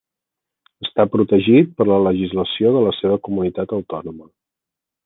Està protegit per la legislació de la seva comunitat autònoma.